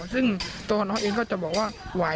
ซึ่งตัวน้องเองก็จะบอกว่าไหว